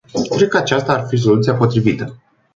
Cred ca aceasta ar fi soluția potrivită.